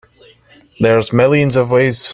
There's millions of ways.